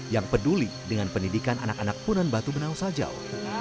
yang peduli dengan pendidikan anak anak punan batu benau sajau